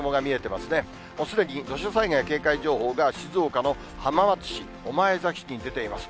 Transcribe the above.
もうすでに土砂災害警戒情報が静岡の浜松市、御前崎市に出ています。